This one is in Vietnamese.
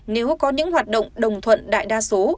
nếu có những hoạt động đồng thuận đại đa số